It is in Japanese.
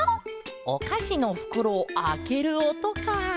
おかしのふくろをあけるおとか。